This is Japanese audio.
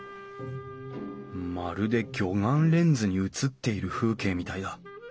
まるで魚眼レンズに映っている風景みたいだ。